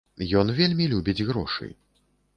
Ён вельмі любіць грошы.